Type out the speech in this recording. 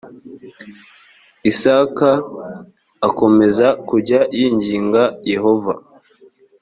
isaka akomeza kujya yinginga yehova